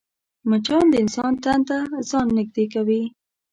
مچان د انسان تن ته ځان نږدې کوي